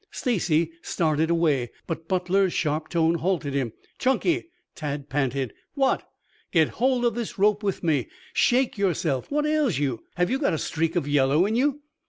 Stacy started away, but Butler's sharp tone halted him. "Chunky!" Tad panted. "What?" "Get hold of this rope with me. Shake yourself. What ails you? Have you got a streak of yellow in you?"